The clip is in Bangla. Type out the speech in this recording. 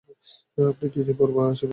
আপনি দুইদিন পর আসবেন, ফেজি ভাই।